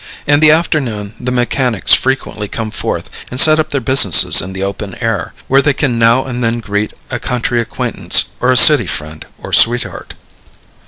In the afternoon, the mechanics frequently come forth and set up their business in the open air, where they can now and then greet a country acquaintance or a city friend or sweetheart.